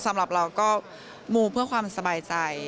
สำหรับเราก็มูเพื่อความสบายใจ